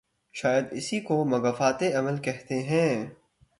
شاید اسی کو مکافات عمل کہتے ہیں۔